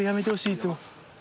いつも。